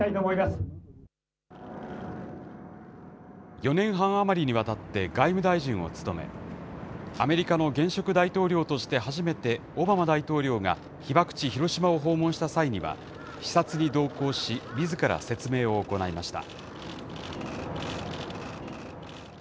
４年半余りにわたって、外務大臣を務め、アメリカの現職大統領として初めて、オバマ大統領が被爆地、広島を訪問した際には視察に同行し、みずから説明を行いました。